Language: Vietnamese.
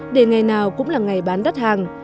để ngày nào cũng là ngày bán đất hàng